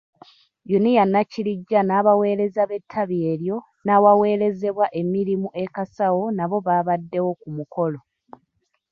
Unia Nakirijja n'abaweereza b'ettabi eryo n'awaweerezebwa emirimu e Kasawo nabo baabaddewo ku mukolo.